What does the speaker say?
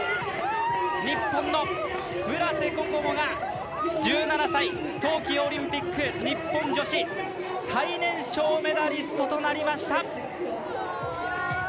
日本の村瀬心椛が、１７歳冬季オリンピック日本女子最年少メダリストとなりました。